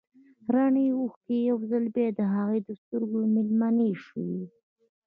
رڼې اوښکې يو ځل بيا د هغې د سترګو مېلمنې شوې.